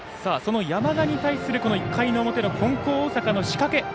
その山田に対する１回の表の金光大阪の仕掛け。